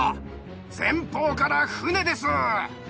前方から船です！